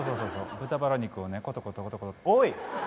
豚バラ肉をねコトコトコトコトおい！